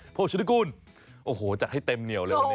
โชชนะกูลโอ้โหจัดให้เต็มเหนียวเลยวันนี้